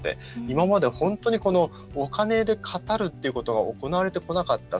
今まで本当にお金で語るっていうことが行われてこなかった。